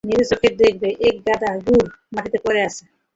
নিজের চোখেই দেখবে এক গাদা শুঁড় মাটিতে পরে আছে!